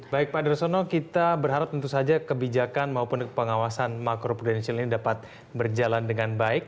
baik pak darsono kita berharap tentu saja kebijakan maupun pengawasan makro prudensial ini dapat berjalan dengan baik